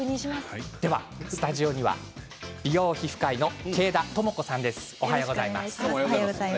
スタジオには美容皮膚科医の慶田朋子さんです。